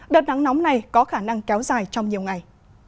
đợt nắng nóng này có khả năng kéo dài trong nhiều ngày